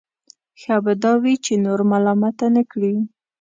ښه به دا وي چې نور ملامته نه کړي.